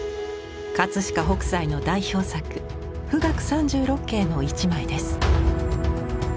飾北斎の代表作「冨嶽三十六景」の一枚です。